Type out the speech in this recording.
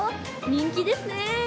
人気ですね。